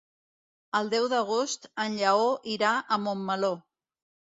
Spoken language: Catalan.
El deu d'agost en Lleó irà a Montmeló.